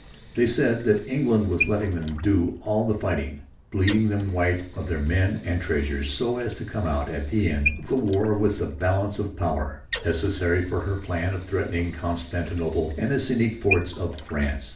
They said that England was letting them do all the fighting, bleeding them white of their men and treasure so as to come out at the end of the war with the balance of power necessary for her plan of retaining Constantinople and the Cinque Ports of France.